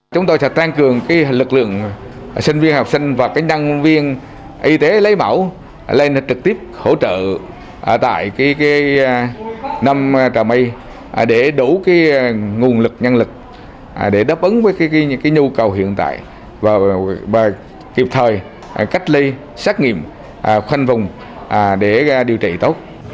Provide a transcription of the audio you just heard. chúng tôi sẽ tăng cường lực lượng sinh viên học sinh và nhân viên y tế lấy mẫu lên trực tiếp hỗ trợ